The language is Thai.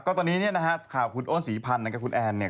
ก็ตอนนี้ข่าวขุนโอนศรีพรรณกับคุณแอร์เนี่ย